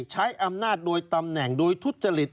ใช้อำนาจโดยตำแหน่งโดยทุจริต